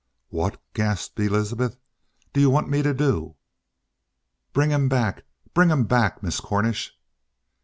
"What," gasped Elizabeth, "do you want me to do?" "Bring him back. Bring him back, Miss Cornish!"